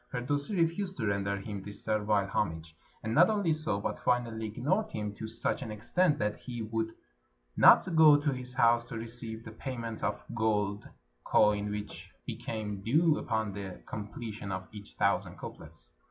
Firdusi refused to render him this servile homage, and not only so, but finally ignored him to such an extent that he would not go to his house to receive the payment of gold coin which became due upon the com pletion of each thousand couplets.